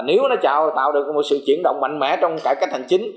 nếu nó tạo được một sự chuyển động mạnh mẽ trong cải cách hành chính